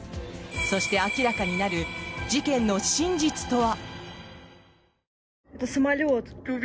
そして、明らかになる事件の真実とは？